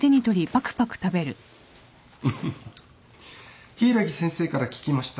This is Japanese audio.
フフッ柊木先生から聞きました。